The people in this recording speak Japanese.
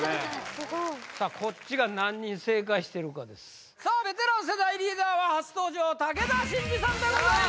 すごいこっちが何人正解してるかですさあベテラン世代リーダーは初登場武田真治さんでございます